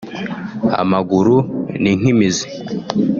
Amaguru ni nk’imizi